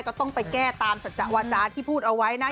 ก็ต้องไปแก้ตามศักดิ์จักรวรรดิ์ที่พูดเอาไว้นะ